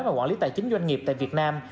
và quản lý tài chính doanh nghiệp tại việt nam